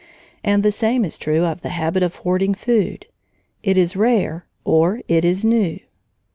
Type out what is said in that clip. And the same is true of the habit of hoarding food; it is rare, or it is new.